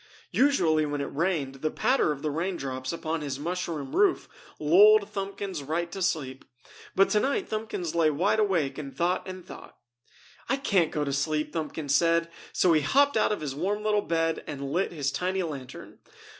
Usually when it rained, the patter of the raindrops upon his mushroom roof lulled Thumbkins right to sleep, but tonight Thumbkins lay wide awake and thought and thought. "I can't go to sleep!" Thumbkins said, so he hopped out of his warm little bed and lit his tiny lantern.